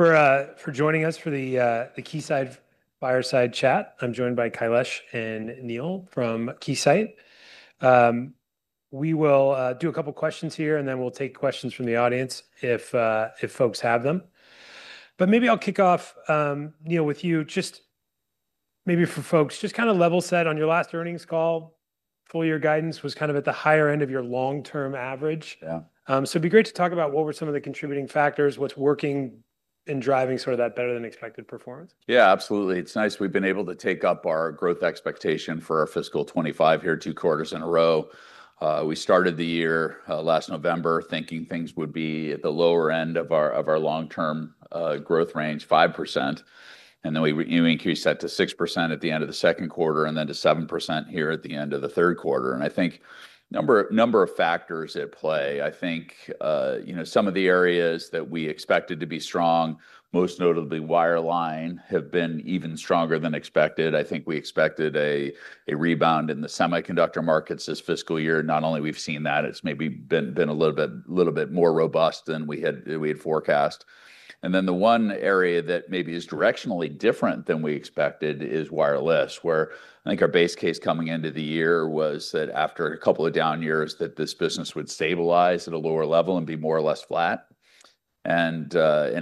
For joining us for the Keysight Fireside Chat. I'm joined by Kailash and Neil from Keysight. We will do a couple of questions here, and then we'll take questions from the audience if folks have them. But maybe I'll kick off, Neil, with you. Just maybe for folks, just kind of level set on your last earnings call, full year guidance was kind of at the higher end of your long-term average. Yeah. So, it'd be great to talk about what were some of the contributing factors, what's working and driving sort of that better-than-expected performance? Yeah, absolutely. It's nice. We've been able to take up our growth expectation for our fiscal 2025 here, two quarters in a row. We started the year, last November thinking things would be at the lower end of our long-term growth range, 5%. And then we increased that to 6% at the end of the second quarter and then to 7% here at the end of the third quarter. And I think a number of factors at play. I think, you know, some of the areas that we expected to be strong, most notably Wireline, have been even stronger than expected. I think we expected a rebound in the semiconductor markets this fiscal year. Not only have we seen that, it's maybe been a little bit more robust than we had forecast. Then the one area that maybe is directionally different than we expected is Wireless, where I think our base case coming into the year was that after a couple of down years that this business would stabilize at a lower level and be more or less flat. In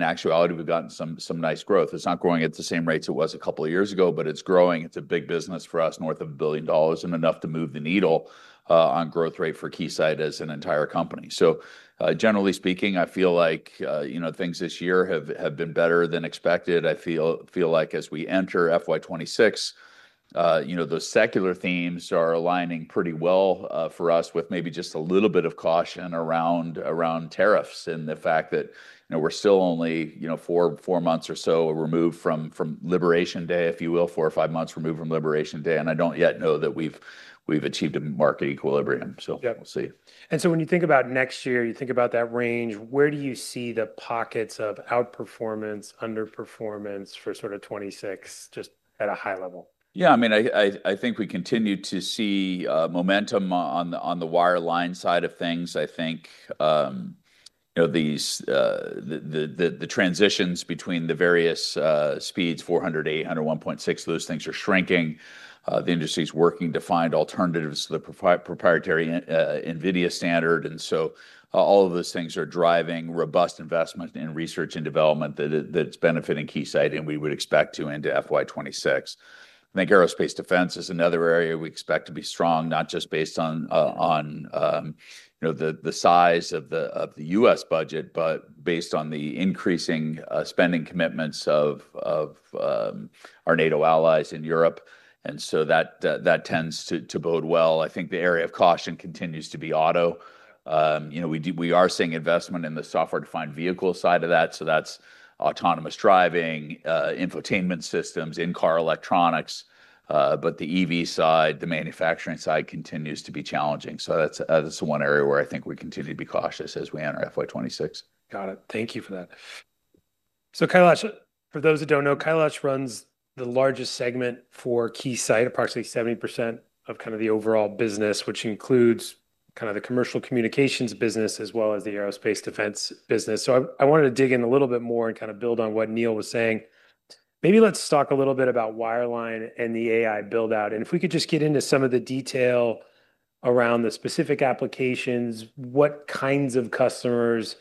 actuality, we've gotten some nice growth. It's not growing at the same rates it was a couple of years ago, but it's growing. It's a big business for us, north of $1 billion and enough to move the needle on growth rate for Keysight as an entire company. So, generally speaking, I feel like, you know, things this year have been better than expected. I feel like as we enter FY 2026, you know, those secular themes are aligning pretty well for us with maybe just a little bit of caution around tariffs and the fact that, you know, we're still only four months or so removed from Liberation Day, if you will, four or five months removed from Liberation Day. I don't yet know that we've achieved a market equilibrium. Yeah, we'll see. And so when you think about next year, you think about that range, where do you see the pockets of outperformance, underperformance for sort of 2026 just at a high level? Yeah, I mean, I think we continue to see momentum on the Wireline side of things. I think, you know, these transitions between the various speeds, 400, 800, 1.6, those things are shrinking. The industry's working to find alternatives to the proprietary NVIDIA standard. And so, all of those things are driving robust investment in research and development that it's benefiting Keysight and we would expect to into FY 2026. I think Aerospace Defense is another area we expect to be strong, not just based on you know, the size of the U.S. budget, but based on the increasing spending commitments of our NATO allies in Europe. And so that tends to bode well. I think the area of caution continues to be Auto. You know, we do, we are seeing investment in the software-defined vehicle side of that. So that's autonomous driving, infotainment systems, in-car electronics, but the EV side, the manufacturing side continues to be challenging. So that's, that's the one area where I think we continue to be cautious as we enter FY 2026. Got it. Thank you for that. So Kailash, for those who don't know, Kailash runs the largest segment for Keysight, approximately 70% of kind of the overall business, which includes kind of the Commercial Communications business as well as the Aerospace Defense business. I wanted to dig in a little bit more and kind of build on what Neil was saying. Maybe let's talk a little bit about Wireline and the AI buildout. And if we could just get into some of the detail around the specific applications, what kinds of customers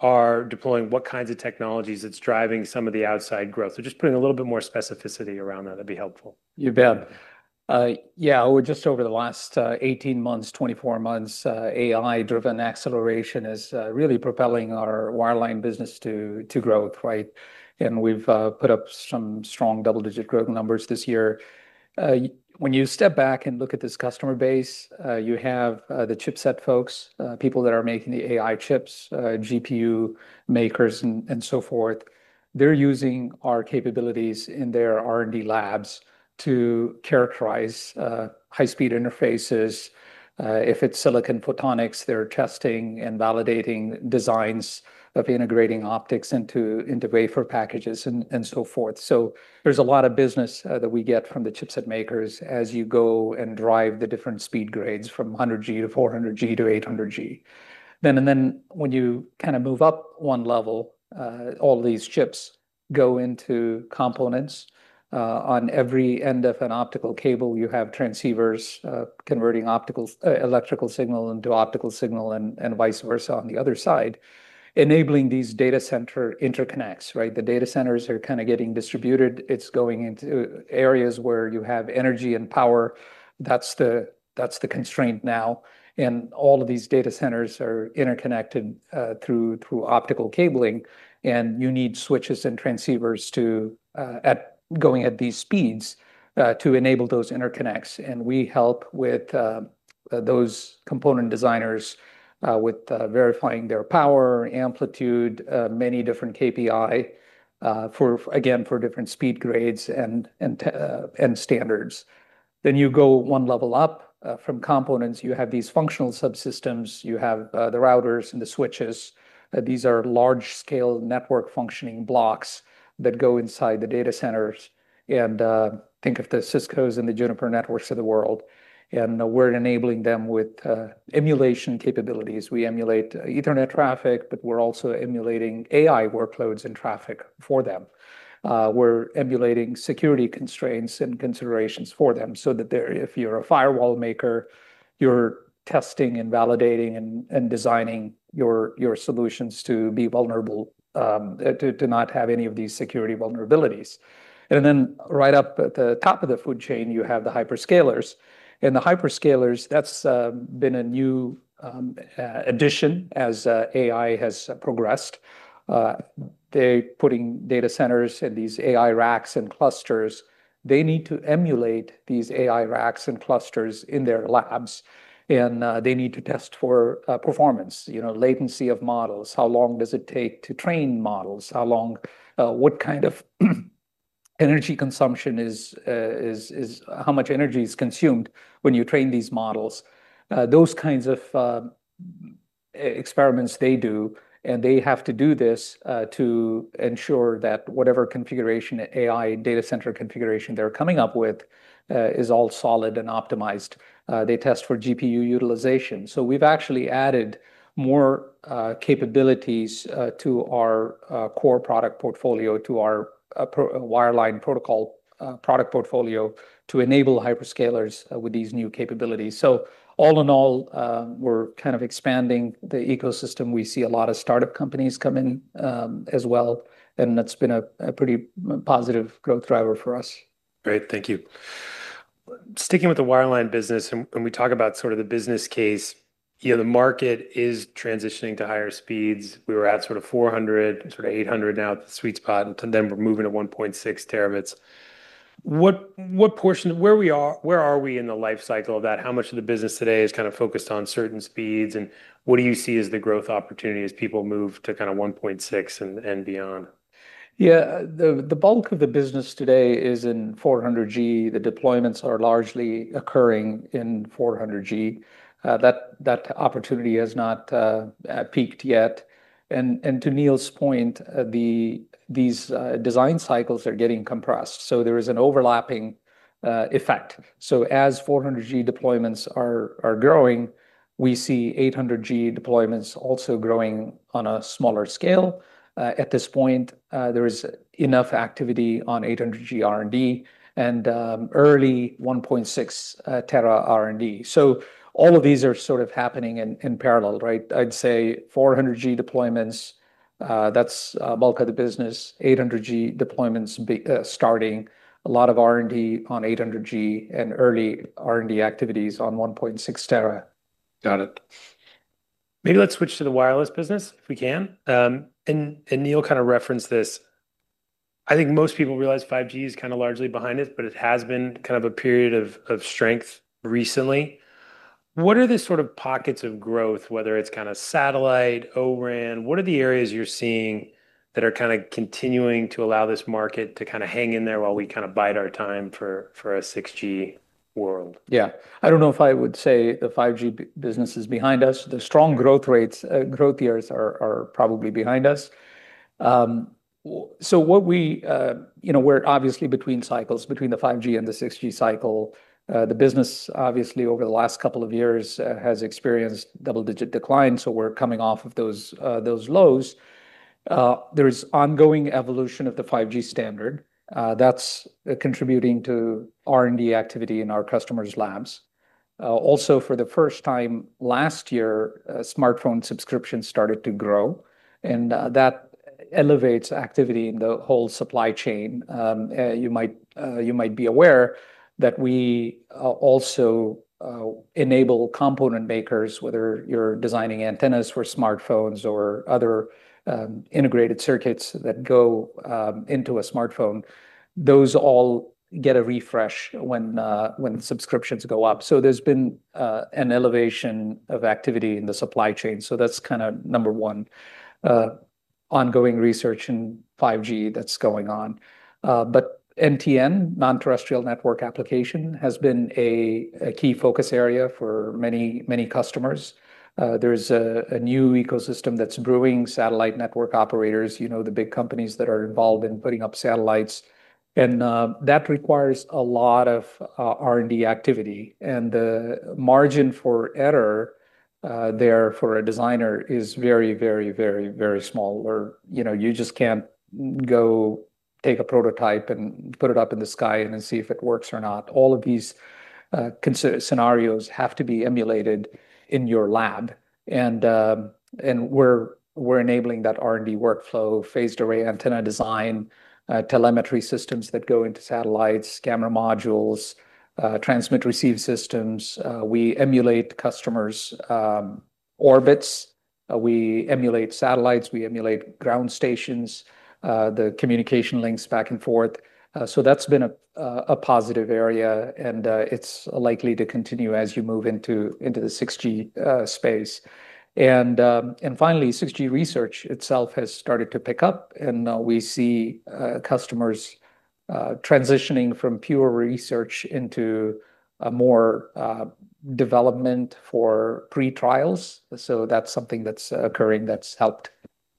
are deploying, what kinds of technologies that's driving some of the outside growth? So just putting a little bit more specificity around that, that'd be helpful. You bet. Yeah, over just over the last 18 months, 24 months, AI-driven acceleration is really propelling our Wireline business to growth, right? And we've put up some strong double-digit growth numbers this year. When you step back and look at this customer base, you have the chipset folks, people that are making the AI chips, GPU makers and so forth. They're using our capabilities in their R&D labs to characterize high-speed interfaces. If it's silicon photonics, they're testing and validating designs of integrating optics into wafer packages and so forth. So there's a lot of business that we get from the chipset makers as you go and drive the different speed grades from 100G to 400G to 800G. Then when you kind of move up one level, all these chips go into components. On every end of an optical cable, you have transceivers, converting optical electrical signal into optical signal and vice versa on the other side, enabling these data center interconnects, right? The data centers are kind of getting distributed. It's going into areas where you have energy and power. That's the constraint now. And all of these data centers are interconnected through optical cabling. And you need switches and transceivers going at these speeds to enable those interconnects. And we help those component designers with verifying their power, amplitude, many different KPI for again for different speed grades and standards. Then you go one level up, from components, you have these functional subsystems, you have the routers and the switches. These are large-scale network functioning blocks that go inside the data centers. Think of the Ciscos and the Juniper Networks of the world. We're enabling them with emulation capabilities. We emulate Ethernet traffic, but we're also emulating AI workloads and traffic for them. We're emulating security constraints and considerations for them so that if you're a firewall maker, you're testing and validating and designing your solutions to be vulnerable to not have any of these security vulnerabilities. Then right up at the top of the food chain, you have the hyperscalers. The hyperscalers, that's been a new addition as AI has progressed. They're putting data centers and these AI racks and clusters. They need to emulate these AI racks and clusters in their labs. They need to test for performance, you know, latency of models. How long does it take to train models? How long, what kind of energy consumption is how much energy is consumed when you train these models? Those kinds of experiments they do. And they have to do this, to ensure that whatever configuration, AI data center configuration they're coming up with, is all solid and optimized. They test for GPU utilization. So we've actually added more capabilities to our core product portfolio, to our Wireline protocol product portfolio to enable hyperscalers with these new capabilities. So all in all, we're kind of expanding the ecosystem. We see a lot of startup companies come in, as well. And that's been a pretty positive growth driver for us. Great. Thank you. Sticking with the Wireline business, and we talk about sort of the business case, you know, the market is transitioning to higher speeds. We were at sort of 400, sort of 800 now at the sweet spot, and then we're moving to 1.6 Tb. What portion, where are we in the life cycle of that? How much of the business today is kind of focused on certain speeds? And what do you see as the growth opportunity as people move to kind of 1.6 and beyond? Yeah, the bulk of the business today is in 400G. The deployments are largely occurring in 400G. That opportunity has not peaked yet. And to Neil's point, these design cycles are getting compressed. So there is an overlapping effect. So as 400G deployments are growing, we see 800G deployments also growing on a smaller scale. At this point, there is enough activity on 800G R&D and early 1.6 Tb R&D. So all of these are sort of happening in parallel, right? I'd say 400G deployments, that's bulk of the business, 800G deployments be starting, a lot of R&D on 800G and early R&D activities on 1.6 Tb. Got it. Maybe let's switch to the Wireless business if we can, and Neil kind of referenced this. I think most people realize 5G is kind of largely behind it, but it has been kind of a period of strength recently. What are the sort of pockets of growth, whether it's kind of satellite, O-RAN? What are the areas you're seeing that are kind of continuing to allow this market to kind of hang in there while we kind of bide our time for a 6G world? Yeah, I don't know if I would say the 5G business is behind us. The strong growth rates, growth years are probably behind us. So what we, you know, we're obviously between cycles, between the 5G and the 6G cycle. The business obviously over the last couple of years has experienced double-digit decline. So we're coming off of those lows. There is ongoing evolution of the 5G standard. That's contributing to R&D activity in our customers' labs. Also for the first time last year, smartphone subscriptions started to grow, and that elevates activity in the whole supply chain. You might be aware that we also enable component makers, whether you're designing antennas for smartphones or other integrated circuits that go into a smartphone, those all get a refresh when subscriptions go up. So there's been an elevation of activity in the supply chain. So that's kind of number one, ongoing research in 5G that's going on, but NTN, non-terrestrial network application, has been a key focus area for many, many customers. There's a new ecosystem that's brewing, satellite network operators, you know, the big companies that are involved in putting up satellites, and that requires a lot of R&D activity, and the margin for error there for a designer is very, very, very, very small, or you know, you just can't go take a prototype and put it up in the sky and then see if it works or not. All of these scenarios have to be emulated in your lab, and we're enabling that R&D workflow, phased array antenna design, telemetry systems that go into satellites, camera modules, transmit receive systems. We emulate customers' orbits. We emulate satellites. We emulate ground stations, the communication links back and forth. So that's been a positive area and it's likely to continue as you move into the 6G space and finally, 6G research itself has started to pick up and we see customers transitioning from pure research into more development for pre-trials, so that's something that's occurring that's helped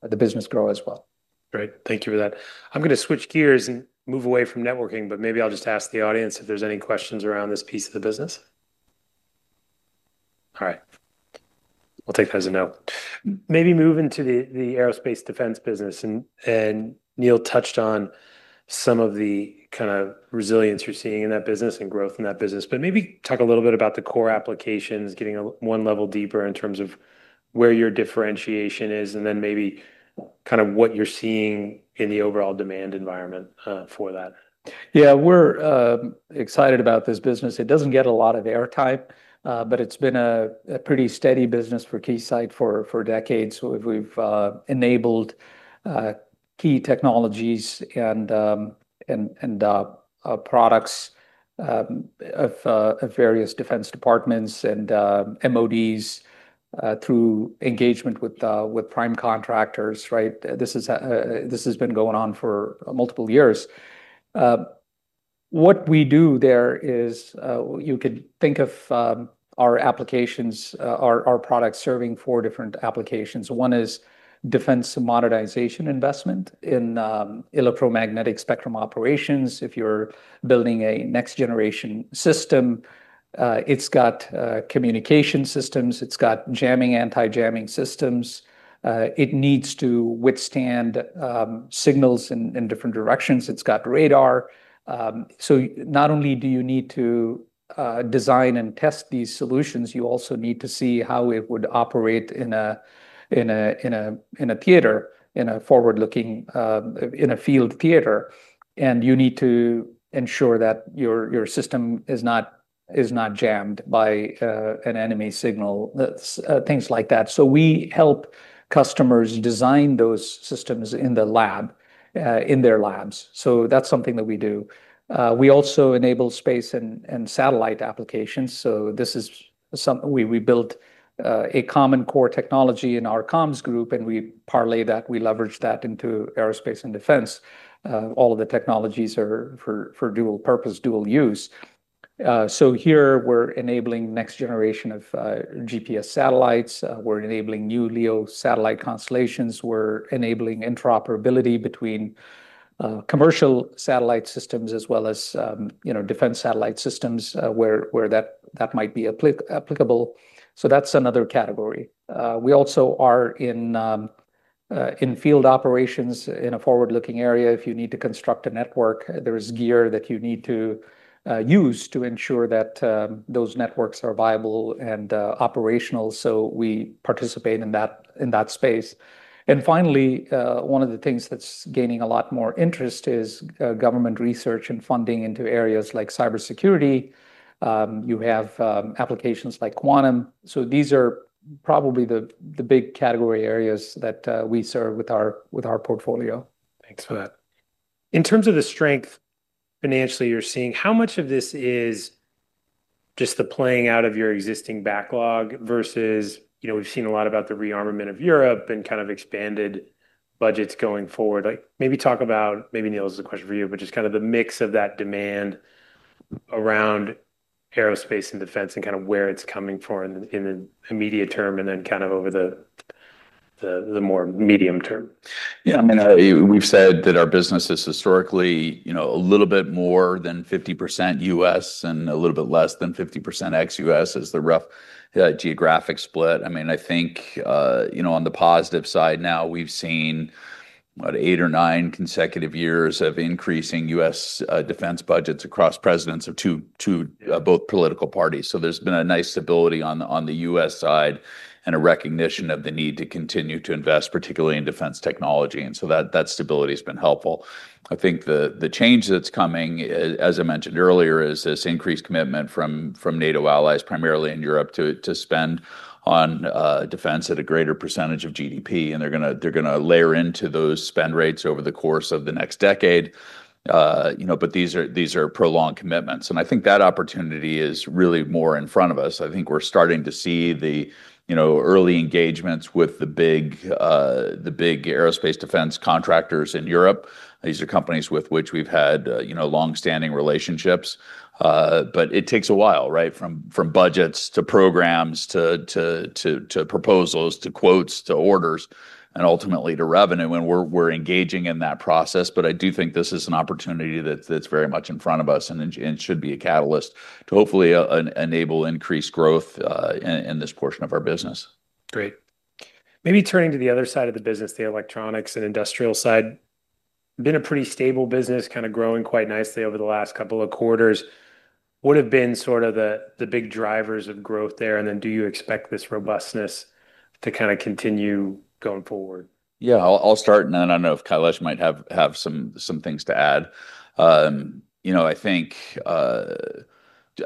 the business grow as well. Great. Thank you for that. I'm going to switch gears and move away from networking, but maybe I'll just ask the audience if there's any questions around this piece of the business. All right. We'll take that as a no. Maybe move into the Aerospace Defense business. And Neil touched on some of the kind of resilience you're seeing in that business and growth in that business, but maybe talk a little bit about the core applications, getting one level deeper in terms of where your differentiation is and then maybe kind of what you're seeing in the overall demand environment for that. Yeah, we're excited about this business. It doesn't get a lot of airtime, but it's been a pretty steady business for Keysight for decades. We've enabled key technologies and products of various defense departments and MODs through engagement with prime contractors, right? This has been going on for multiple years. What we do there is, you could think of our applications, our products serving four different applications. One is defense commoditization investment in electromagnetic spectrum operations. If you're building a next-generation system, it's got communication systems, it's got jamming, anti-jamming systems. It needs to withstand signals in different directions. It's got radar. So not only do you need to design and test these solutions, you also need to see how it would operate in a theater, in a forward-looking field theater. You need to ensure that your system is not jammed by an enemy signal, things like that. We help customers design those systems in the lab, in their labs. That's something that we do. We also enable space and satellite applications. This is something we built, a common core technology in our comms group and we leverage that into aerospace and defense. All of the technologies are for dual purpose, dual use. Here we're enabling next generation of GPS satellites. We're enabling new LEO satellite constellations. We're enabling interoperability between commercial satellite systems as well as, you know, defense satellite systems, where that might be applicable. That's another category. We also are in field operations in a forward-looking area. If you need to construct a network, there is gear that you need to use to ensure that those networks are viable and operational. So we participate in that space. And finally, one of the things that's gaining a lot more interest is government research and funding into areas like cybersecurity. You have applications like quantum. So these are probably the big category areas that we serve with our portfolio. Thanks for that. In terms of the strength financially you're seeing, how much of this is just the playing out of your existing backlog versus, you know, we've seen a lot about the rearmament of Europe and kind of expanded budgets going forward. Like maybe talk about, maybe Neil's a question for you, but just kind of the mix of that demand around aerospace and defense and kind of where it's coming from in the immediate term and then kind of over the more medium term. Yeah, I mean, we've said that our business is historically, you know, a little bit more than 50% U.S. and a little bit less than 50% ex-U.S. is the rough geographic split. I mean, I think, you know, on the positive side now we've seen about eight or nine consecutive years of increasing U.S. defense budgets across presidents of two both political parties. So there's been a nice stability on the U.S. side and a recognition of the need to continue to invest, particularly in defense technology. And so that stability has been helpful. I think the change that's coming, as I mentioned earlier, is this increased commitment from NATO allies, primarily in Europe, to spend on defense at a greater percentage of GDP. They're going to layer into those spend rates over the course of the next decade, you know, but these are prolonged commitments. I think that opportunity is really more in front of us. I think we're starting to see the, you know, early engagements with the big aerospace defense contractors in Europe. These are companies with which we've had, you know, longstanding relationships, but it takes a while, right? From budgets to programs to proposals to quotes to orders and ultimately to revenue when we're engaging in that process. But I do think this is an opportunity that's very much in front of us and should be a catalyst to hopefully enable increased growth in this portion of our business. Great. Maybe turning to the other side of the business, the Electronics and Industrial side, been a pretty stable business, kind of growing quite nicely over the last couple of quarters. What have been sort of the big drivers of growth there? And then do you expect this robustness to kind of continue going forward? Yeah, I'll start and then I don't know if Kailash might have some things to add. You know, I think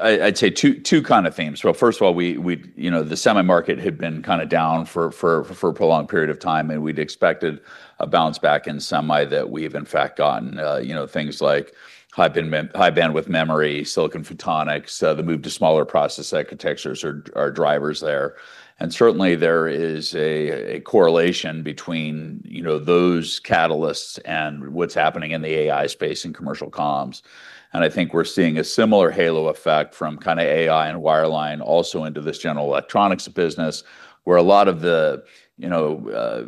I'd say two kind of themes. Well, first of all, we you know, the semi market had been kind of down for a prolonged period of time and we'd expected a bounce back in semi that we've in fact gotten. You know, things like high bandwidth memory, silicon photonics, the move to smaller process architectures are drivers there. And certainly there is a correlation between you know, those catalysts and what's happening in the AI space in commercial comms. And I think we're seeing a similar halo effect from kind of AI and Wireline also into this general electronics business where a lot of the, you know,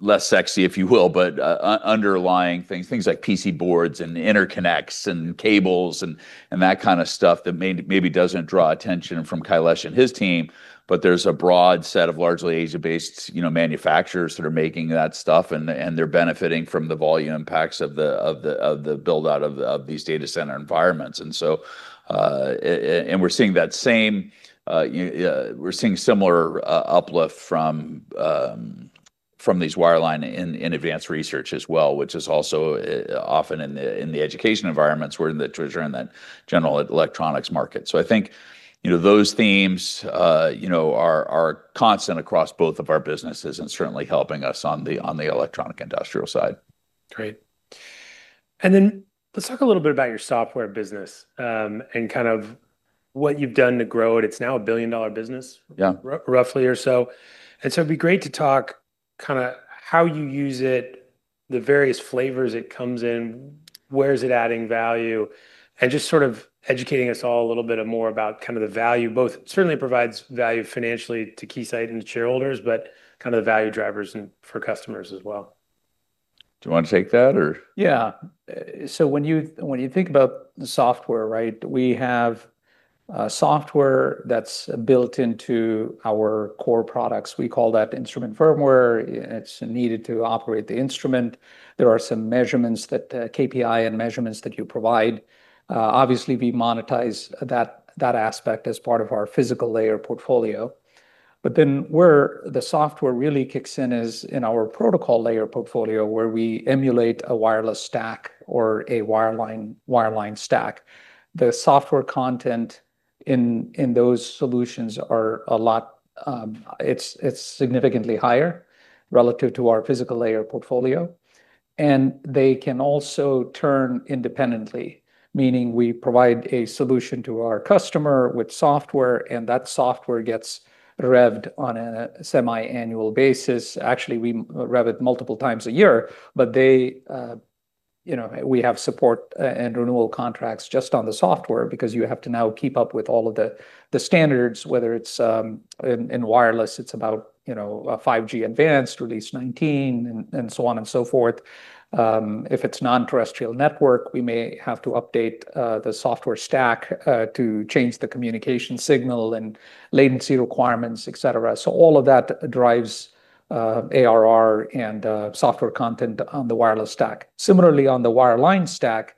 less sexy, if you will, but underlying things, things like PC boards and interconnects and cables and that kind of stuff that maybe doesn't draw attention from Kailash and his team, but there's a broad set of largely Asia-based, you know, manufacturers that are making that stuff and they're benefiting from the volume impacts of the buildout of these data center environments. And so we're seeing that same, you know, we're seeing similar uplift from these Wireline in advanced research as well, which is also often in the education environments, which are in that general electronics market. So I think, you know, those themes, you know, are constant across both of our businesses and certainly helping us on the Electronics Industrial side. Great. And then let's talk a little bit about your Software business, and kind of what you've done to grow it. It's now a $1 billion business. Yeah. Roughly or so, and so it'd be great to talk kind of how you use it, the various flavors it comes in, where's it adding value, and just sort of educating us all a little bit more about kind of the value, both certainly provides value financially to Keysight and the shareholders, but kind of the value drivers and for customers as well. Do you want to take that or? Yeah, so when you think about the software, right, we have a software that's built into our core products. We call that instrument firmware. It's needed to operate the instrument. There are some measurements that KPI and measurements that you provide. Obviously we monetize that aspect as part of our physical layer portfolio, but then where the software really kicks in is in our protocol layer portfolio where we emulate a Wireless stack or a Wireline stack. The software content in those solutions are a lot, it's significantly higher relative to our physical layer portfolio, and they can also turn independently, meaning we provide a solution to our customer with software and that software gets revved on a semi-annual basis. Actually, we rev it multiple times a year, but they, you know, we have support and renewal contracts just on the software because you have to now keep up with all of the standards, whether it's in Wireless, it's about, you know, 5G Advanced, Release 19 and so on and so forth. If it's non-terrestrial network, we may have to update the software stack to change the communication signal and latency requirements, et cetera. So all of that drives ARR and software content on the Wireless stack. Similarly, on the Wireline stack,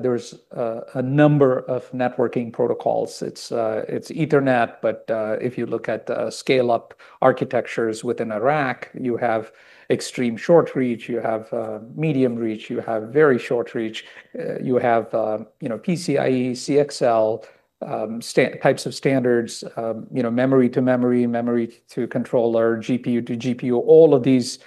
there's a number of networking protocols. It's ethernet, but if you look at scale-up architectures within a rack, you have extreme short reach, you have medium reach, you have very short reach, you have, you know, PCIe, CXL, types of standards, you know, memory to memory, memory to controller, GPU to GPU. All of these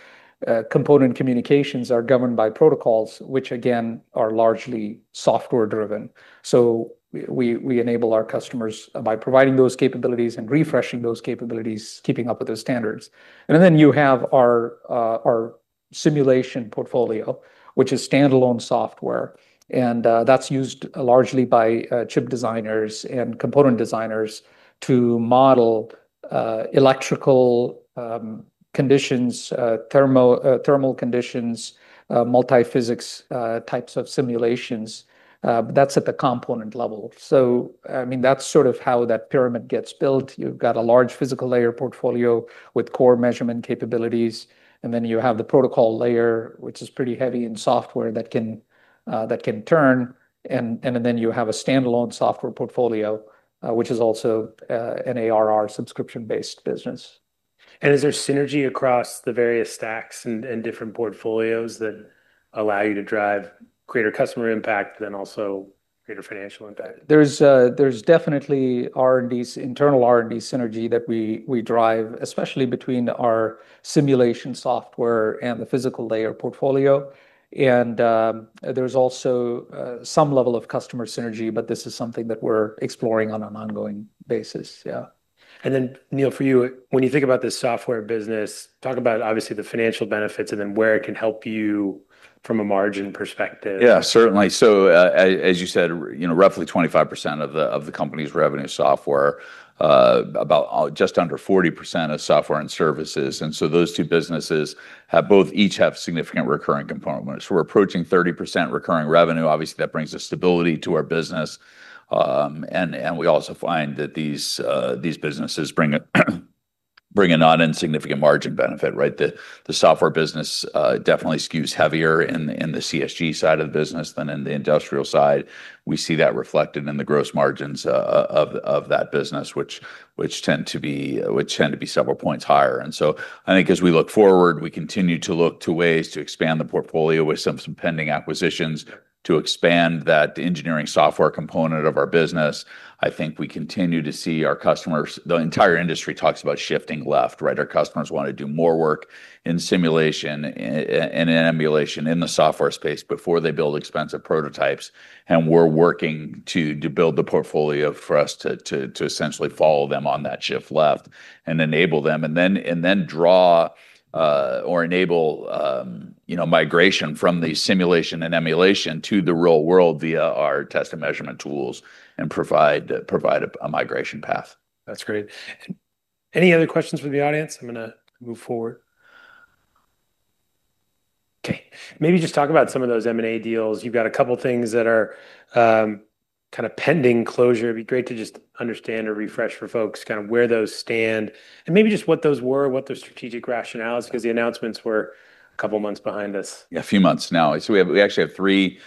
component communications are governed by protocols, which again are largely software driven. So we enable our customers by providing those capabilities and refreshing those capabilities, keeping up with those standards. Then you have our simulation portfolio, which is standalone software. And that's used largely by chip designers and component designers to model electrical conditions, thermal conditions, multiphysics types of simulations, but that's at the component level. So I mean, that's sort of how that pyramid gets built. You've got a large physical layer portfolio with core measurement capabilities. Then you have the protocol layer, which is pretty heavy in software that can turn. Then you have a standalone software portfolio, which is also an ARR subscription-based business. Is there synergy across the various stacks and different portfolios that allow you to drive greater customer impact, then also greater financial impact? There's definitely R&D, internal R&D synergy that we drive, especially between our simulation software and the physical layer portfolio, and there's also some level of customer synergy, but this is something that we're exploring on an ongoing basis. Yeah. And then, Neil, for you, when you think about this software business, talk about obviously the financial benefits and then where it can help you from a margin perspective. Yeah, certainly. So, as you said, you know, roughly 25% of the company's revenue is Software, about just under 40% of Software and Services. And so those two businesses both have significant recurring components. So we're approaching 30% recurring revenue. Obviously, that brings a stability to our business. And we also find that these businesses bring a non-insignificant margin benefit, right? The Software business definitely skews heavier in the CSG side of the business than in the industrial side. We see that reflected in the gross margins of that business, which tend to be several points higher. And so I think as we look forward, we continue to look to ways to expand the portfolio with some pending acquisitions to expand that engineering software component of our business. I think we continue to see our customers. The entire industry talks about shifting left, right? Our customers want to do more work in simulation and in emulation in the software space before they build expensive prototypes. And we're working to build the portfolio for us to essentially follow them on that shift left and enable them and then draw, or enable, you know, migration from the simulation and emulation to the real world via our test and measurement tools and provide a migration path. That's great. Any other questions from the audience? I'm going to move forward. Okay. Maybe just talk about some of those M&A deals. You've got a couple of things that are, kind of pending closure. It'd be great to just understand or refresh for folks kind of where those stand and maybe just what those were, what their strategic rationales, because the announcements were a couple of months behind us. Yeah, a few months now. So we have, we actually have three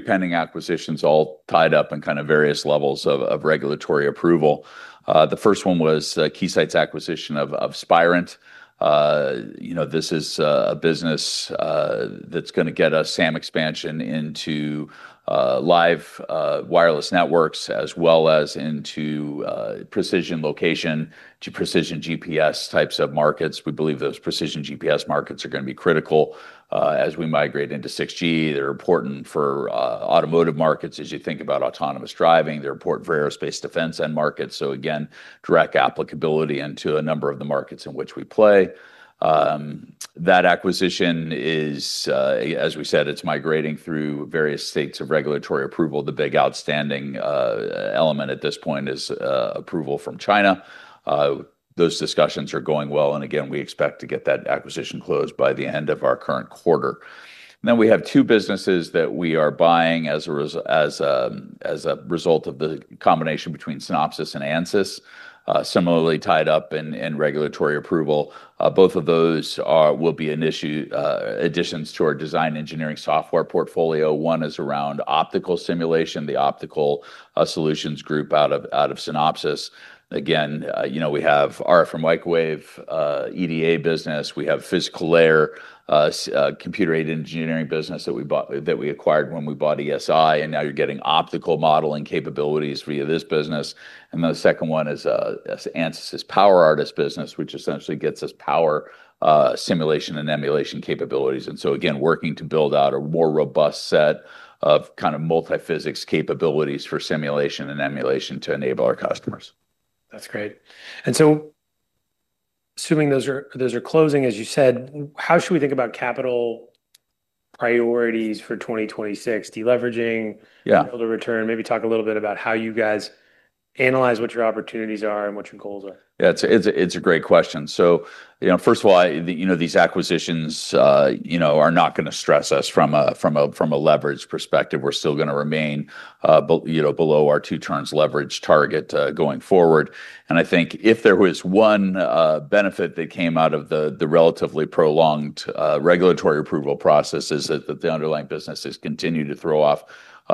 pending acquisitions all tied up in kind of various levels of regulatory approval. The first one was Keysight's acquisition of Spirent. You know, this is a business that's going to get us SAM expansion into live Wireless networks as well as into precision location to precision GPS types of markets. We believe those precision GPS markets are going to be critical as we migrate into 6G. They're important for automotive markets as you think about autonomous driving. They're important for aerospace defense end markets. So again, direct applicability into a number of the markets in which we play. That acquisition is, as we said, it's migrating through various states of regulatory approval. The big outstanding element at this point is approval from China. Those discussions are going well. Again, we expect to get that acquisition closed by the end of our current quarter. Then we have two businesses that we are buying as a result of the combination between Synopsys and Ansys, similarly tied up in regulatory approval. Both of those will be additions to our design engineering software portfolio. One is around optical simulation, the optical solutions group out of Synopsys. Again, you know, we have RF microwave EDA business. We have physical layer computer-aided engineering business that we acquired when we bought ESI. And now you are getting optical modeling capabilities via this business. Then the second one is Ansys's PowerArtist business, which essentially gets us power simulation and emulation capabilities. And so again, working to build out a more robust set of kind of multiphysics capabilities for simulation and emulation to enable our customers. That's great. And so assuming those are, those are closing, as you said, how should we think about capital priorities for 2026? Deleveraging. Yeah. Capital to return. Maybe talk a little bit about how you guys analyze what your opportunities are and what your goals are. Yeah, it's a great question. So, you know, first of all, you know, these acquisitions, you know, are not going to stress us from a leverage perspective. We're still going to remain below our two turns leverage target, going forward. And I think if there was one benefit that came out of the relatively prolonged regulatory approval process is that the underlying business has continued to throw off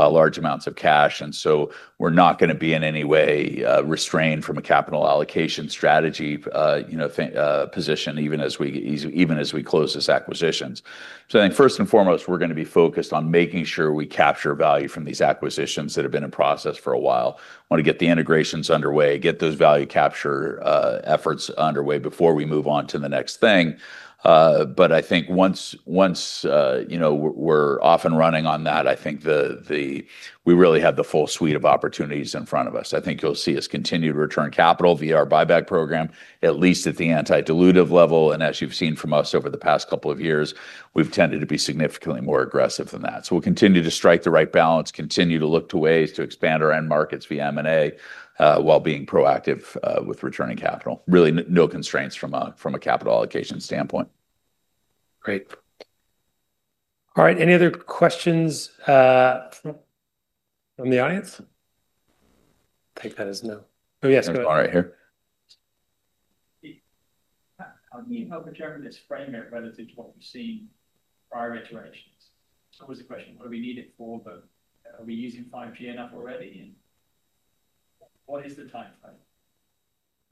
large amounts of cash. And so we're not going to be in any way restrained from a capital allocation strategy, you know, position, even as we close these acquisitions. So I think first and foremost, we're going to be focused on making sure we capture value from these acquisitions that have been in process for a while. Want to get the integrations underway, get those value capture efforts underway before we move on to the next thing. But I think once, you know, we're off and running on that, I think we really have the full suite of opportunities in front of us. I think you'll see us continue to return capital via our buyback program, at least at the anti-dilutive level. And as you've seen from us over the past couple of years, we've tended to be significantly more aggressive than that. So we'll continue to strike the right balance, continue to look to ways to expand our end markets via M&A, while being proactive with returning capital. Really no constraints from a capital allocation standpoint. Great. All right. Any other questions, from the audience? Take that as no. Oh, yes. Go ahead. All right here. How can you help the Germans with this framework relative to what we've seen in prior iterations? So what was the question? What do we need it for? But are we using 5G enough already? And what is the timeframe?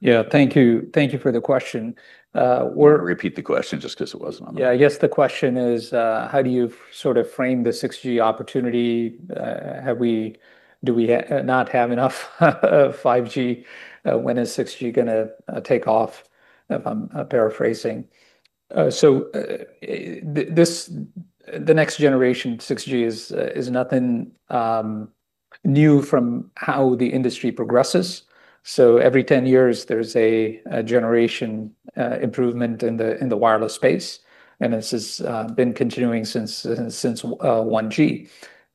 Yeah. Thank you. Thank you for the question. Repeat the question just because it wasn't on the. Yeah. I guess the question is, how do you sort of frame the 6G opportunity? Have we, do we not have enough 5G? When is 6G going to take off? If I'm paraphrasing. So this, the next generation 6G is nothing new from how the industry progresses. So every 10 years, there's a generation improvement in the Wireless space. And this has been continuing since 1G.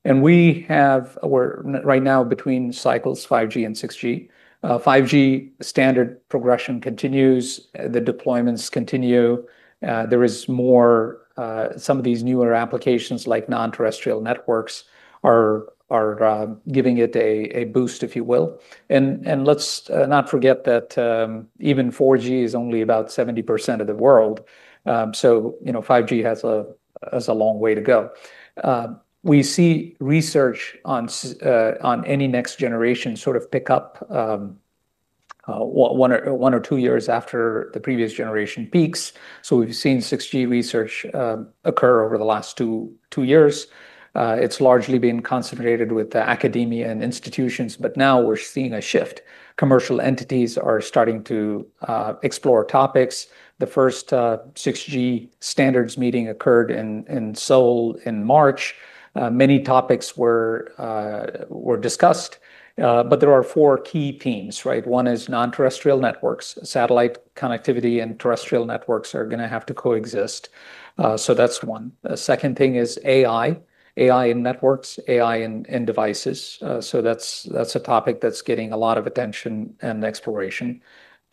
And we're right now between cycles, 5G and 6G. 5G standard progression continues. The deployments continue. There is more, some of these newer applications like non-terrestrial networks are giving it a boost, if you will. And let's not forget that even 4G is only about 70% of the world. So you know, 5G has a long way to go. We see research on any next generation sort of pick up one or two years after the previous generation peaks. So we've seen 6G research occur over the last two years. It's largely been concentrated with the academia and institutions, but now we're seeing a shift. Commercial entities are starting to explore topics. The first 6G standards meeting occurred in Seoul in March. Many topics were discussed. But there are four key themes, right? One is non-terrestrial networks, satellite connectivity, and terrestrial networks are going to have to coexist. So that's one. The second thing is AI, AI in networks, AI in devices. So that's a topic that's getting a lot of attention and exploration.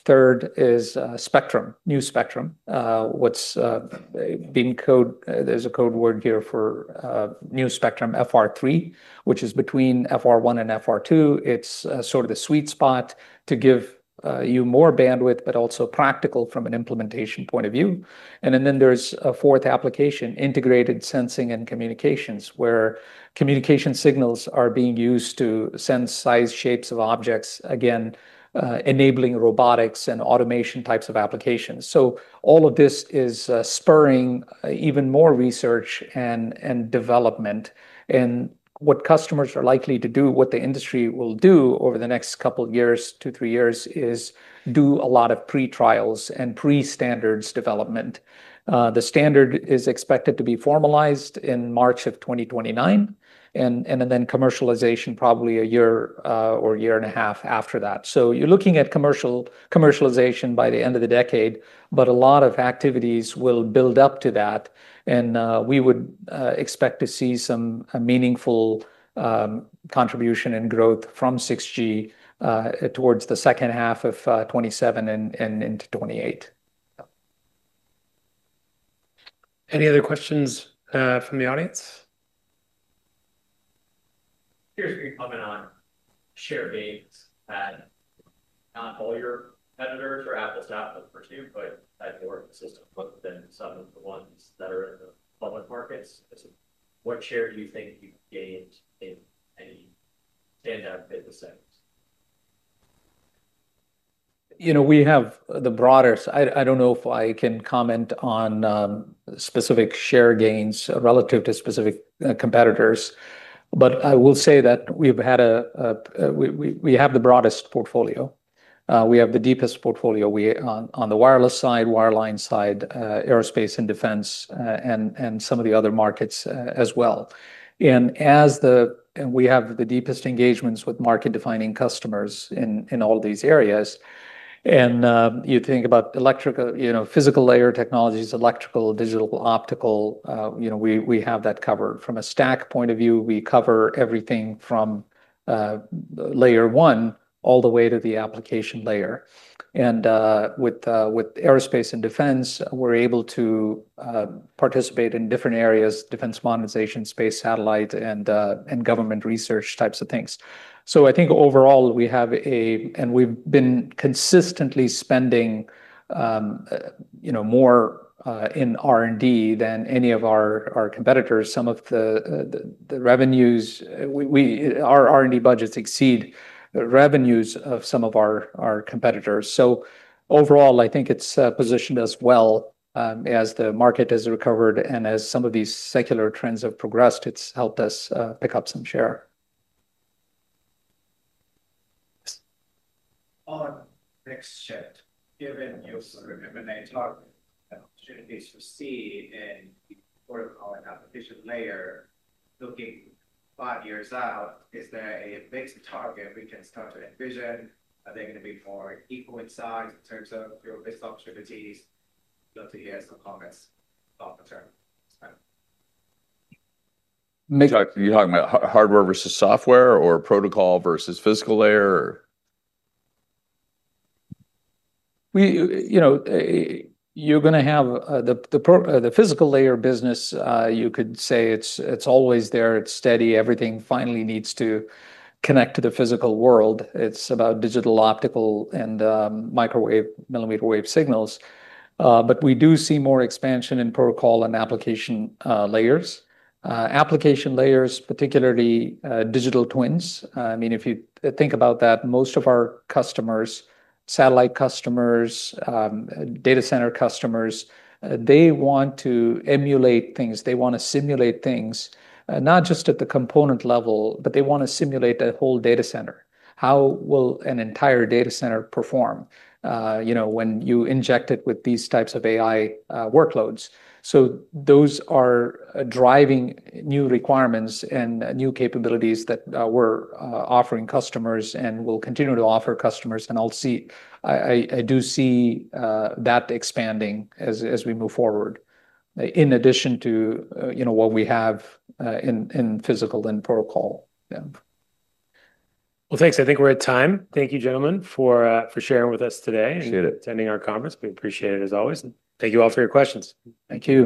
Third is spectrum, new spectrum. What's been coded, there's a code word here for new spectrum FR3, which is between FR1 and FR2. It's sort of the sweet spot to give you more bandwidth, but also practical from an implementation point of view. And then there's a fourth application, integrated sensing and communications, where communication signals are being used to sense size, shapes of objects, again, enabling robotics and automation types of applications. So all of this is spurring even more research and development. And what customers are likely to do, what the industry will do over the next couple of years, two, three years is do a lot of pre-trials and pre-standards development. The standard is expected to be formalized in March of 2029. And then commercialization probably a year, or a year and a half after that. So you're looking at commercialization by the end of the decade, but a lot of activities will build up to that. We would expect to see some meaningful contribution and growth from 6G towards the second half of 2027 and into 2028. Any other questions from the audience? Here's what you comment on: share being at, not all your competitors or apples to apples per se, but in your ecosystem, but then some of the ones that are in the public markets. What share do you think you've gained in any standout business segments? You know, we have the broadest. I don't know if I can comment on specific share gains relative to specific competitors, but I will say that we've had a we have the broadest portfolio. We have the deepest portfolio. We, on the Wireless side, Wireline side, Aerospace and Defense, and some of the other markets as well. And we have the deepest engagements with market defining customers in all these areas. And you think about electrical, you know, physical layer technologies, electrical, digital, optical. You know, we have that covered from a stack point of view. We cover everything from layer one all the way to the application layer. And with Aerospace and Defense, we're able to participate in different areas, defense modernization, space, satellite, and government research types of things. I think overall we've been consistently spending, you know, more in R&D than any of our competitors. Some of the revenues, our R&D budgets exceed the revenues of some of our competitors. Overall, I think it's positioned us well, as the market has recovered and as some of these secular trends have progressed. It's helped us pick up some share. On that shift, given your sort of M&A target opportunities for Keysight and the physical and application layer looking five years out, is there a mix target we can start to envision? Are they going to be more equal in size in terms of your business opportunities? Love to hear some comments about the term. Are you talking about hardware versus software or protocol versus physical layer? We, you know, you're going to have the physical layer business. You could say it's always there. It's steady. Everything finally needs to connect to the physical world. It's about digital, optical, and microwave, millimeter wave signals. But we do see more expansion in protocol and application layers, particularly digital twins. I mean, if you think about that, most of our customers, satellite customers, data center customers, they want to emulate things. They want to simulate things, not just at the component level, but they want to simulate the whole data center. How will an entire data center perform, you know, when you inject it with these types of AI workloads? So those are driving new requirements and new capabilities that we're offering customers and will continue to offer customers. And I'll see. I do see that expanding as we move forward, in addition to, you know, what we have in physical and protocol. Yeah. Thanks. I think we're out of time. Thank you, gentlemen, for sharing with us today and attending our conference. We appreciate it as always. Thank you all for your questions. Thank you.